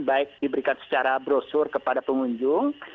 baik diberikan secara brosur kepada pengunjung